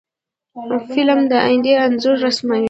فلم د آینده انځور رسموي